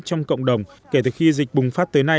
trong cộng đồng kể từ khi dịch bùng phát tới nay